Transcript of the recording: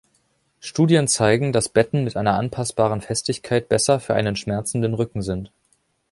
Studien zeigen, dass Betten mit einer anpassbaren Festigkeit besser für einen schmerzenden Rücken sind.